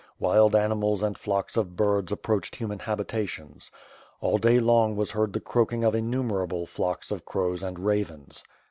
Wild animals and flocks of birds approached human habitations. All day long was heard the croaking of innumerable flocks of crows and ravens.